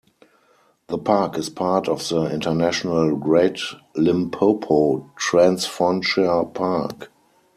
The park is part of the international Great Limpopo Transfrontier Park.